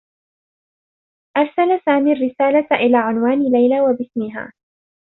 أرسل سامي الرّسالة إلى عنوان ليلى و باسمها.